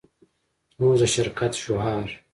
زموږ د شرکت شعار